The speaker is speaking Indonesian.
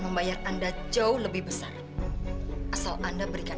kok kamu tidak bareng adrian